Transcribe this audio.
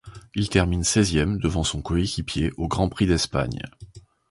Il termine seizième, devant son coéquipier, au Grand Prix d'Espagne.